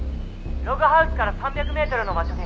「ログハウスから３００メートルの場所に」